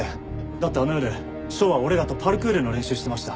だってあの夜翔は俺らとパルクールの練習してました。